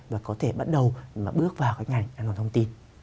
và có thể bắt đầu mà bước vào cái ngành an toàn thông tin